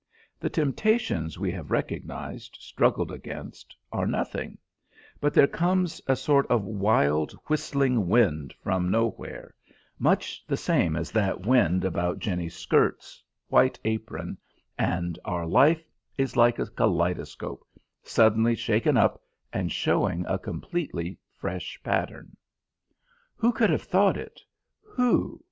The temptations we have recognised, struggled against, are nothing; but there comes a sort of wild, whistling wind from nowhere much the same as that wind about jenny's skirts, white apron and our life is like a kaleidoscope, suddenly shaken up and showing a completely fresh pattern. Who could have thought it who?